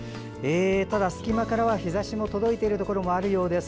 ただ、隙間からは日ざしも届いているところもあるようです。